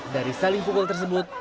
dari saling pukul tersebut